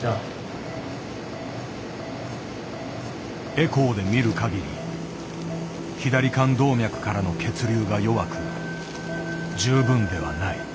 エコーで見る限り左肝動脈からの血流が弱く十分ではない。